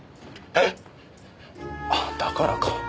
えっ！ああだからか。